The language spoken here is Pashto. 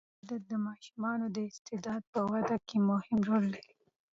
د مطالعې عادت د ماشومانو د استعداد په وده کې مهم رول لري.